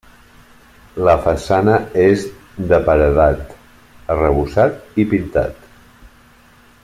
La façana és de paredat arrebossat i pintat.